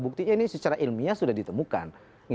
buktinya ini secara ilmiah sudah ditemukan